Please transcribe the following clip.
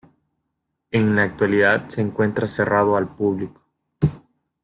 En la actualidad se encuentra cerrado al público.